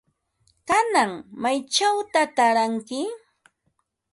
¿Kanan maychawta taaranki?